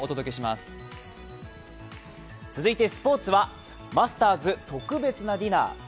続いてスポーツはマスターズ、特別なディナー。